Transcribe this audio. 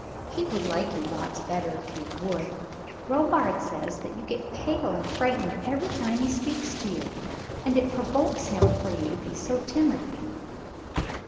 He would like you lots better if you would. Robard says that you get pale and frightened every time he speaks to you, and it provokes him for you to be so timid."